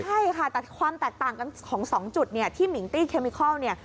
ใช่ค่ะแต่ความแตกต่างของ๒จุดที่มิงตี้เคมิเคล